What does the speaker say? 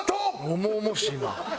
重々しいな。